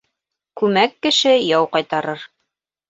Күмәк кеше яу ҡайтарыр.